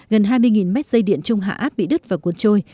gần hai mươi mét dây điện trung hạ áp bị đứt và cuốn trôi